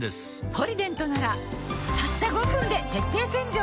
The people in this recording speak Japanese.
「ポリデント」ならたった５分で徹底洗浄